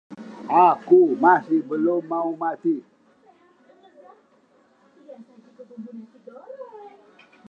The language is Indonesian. Aku masih belum mau mati.